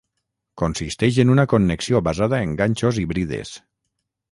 Consisteix en una connexió basada en ganxos i brides.